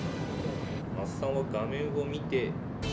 桝さんは画面を見て。